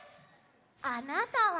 あなたは？